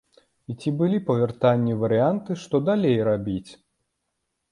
І ці былі па вяртанні варыянты, што далей рабіць?